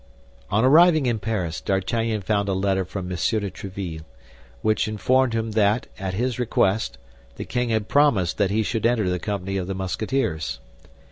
On arriving in Paris, D'Artagnan found a letter from M. de Tréville, which informed him that, at his request, the king had promised that he should enter the company of the Musketeers.